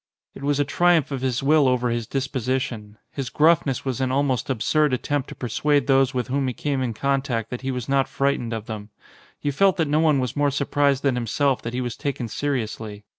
It was a triumph of his will over his disposition. His gruffness was an almost absurd attempt to persuade those with whom he came in contact that he was not fright ened of them. You felt that no one was more surprised than himself that he was taken seriously.